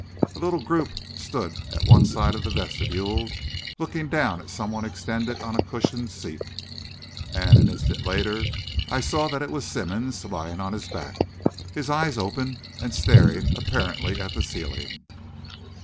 A little group stood at one side of the vestibule looking down at some one extended on a cushioned seat. And, an instant later, I saw that it was Simmonds, lying on his back, his eyes open and staring apparently at the ceiling.